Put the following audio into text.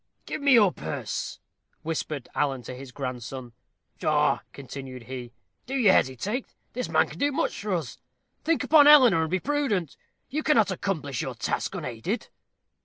"Give me your purse," whispered Alan to his grandson. "Pshaw," continued he, "do you hesitate? This man can do much for us. Think upon Eleanor, and be prudent. You cannot accomplish your task unaided."